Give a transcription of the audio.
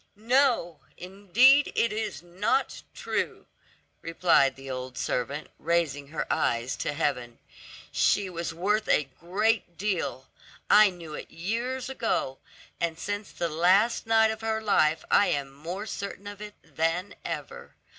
"No, indeed, it is not true," replied the old servant, raising her eyes to heaven; "she was worth a great deal; I knew it years ago, and since the last night of her life I am more certain of it than ever.